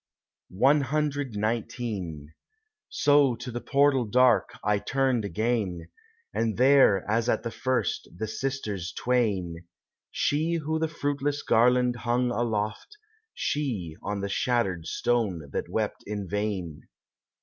CXIX So to the portal dark I turned again, And there, as at the first, the Sisters twain— She who the fruitless garland hung aloft, She on the shattered stone that wept in vain.